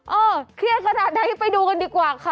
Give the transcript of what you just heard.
เครียดขนาดไหนไปดูกันดีกว่าค่ะ